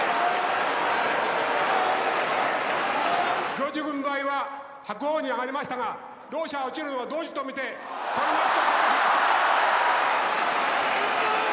行司軍配は白鵬に上がりましたが両者落ちるのが同時と見て取り直し。